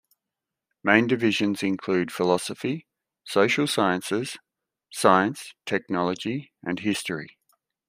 Main divisions include philosophy, social sciences, science, technology, and history.